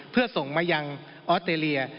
เพื่อส่งมายังออสเตรเลีย